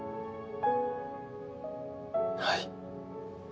はい。